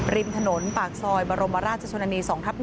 ริมถนนปากซอยบรมราชชนนานี๒ทับ๑